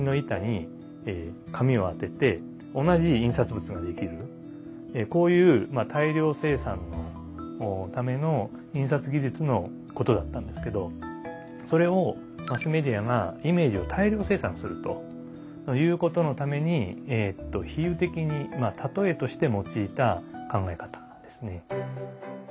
今から大体こういう大量生産のための印刷技術のことだったんですけどそれをマスメディアがイメージを大量生産するということのために比喩的に例えとして用いた考え方なんですね。